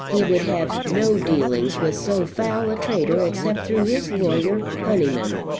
He would have no dealings with so foul a traitor except through his lawyer, Honyman.